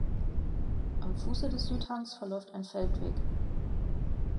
Am Fuße des Südhangs verläuft ein Feldweg.